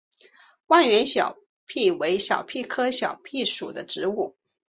万源小檗为小檗科小檗属的植物。